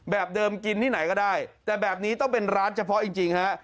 แบบเดิมกินที่ไหนก็ได้แต่แบบนี้ต้องเป็นร้านเฉพาะจริงฮะ